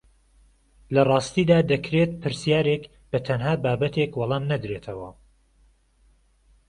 لە ڕاستیدا دەکرێت پرسیارێک بە تەنها بابەتێک وەڵام نەدرێتەوە